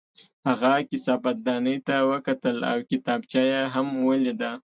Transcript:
هغه کثافت دانۍ ته وکتل او کتابچه یې هم ولیده